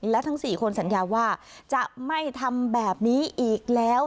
และทั้ง๔คนสัญญาว่าจะไม่ทำแบบนี้อีกแล้ว